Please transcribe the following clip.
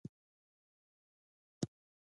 • ونه د تازهګۍ سبب ګرځي.